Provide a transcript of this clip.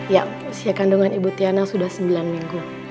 ya usia kandungan ibu tiana sudah sembilan minggu